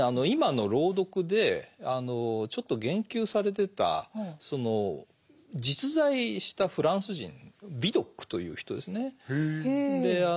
今の朗読でちょっと言及されてた実在したフランス人ヴィドックという人ですね。へ。